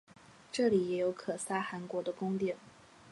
这里也有可萨汗国的宫殿。